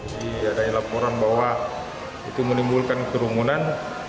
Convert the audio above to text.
jadi ada laporan bahwa itu menimbulkan kerumunan